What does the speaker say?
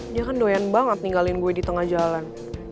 dia kan doyan banget ninggalin gue di tengah jalan